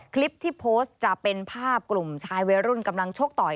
คลิปที่โพสต์จะเป็นภาพกลุ่มชายวัยรุ่นกำลังชกต่อย